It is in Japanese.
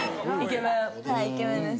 はいイケメンです。